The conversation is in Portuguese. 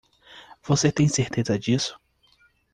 Você tem certeza disso?